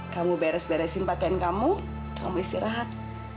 kamu beres beresin pakaian kamu kamu istirahat